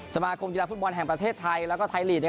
สมาคมกีฬาฟุตบอลแห่งประเทศไทยแล้วก็ไทยลีก